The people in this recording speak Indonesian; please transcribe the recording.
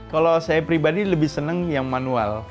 kalau saya pribadi lebih senang yang manual